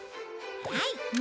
はい。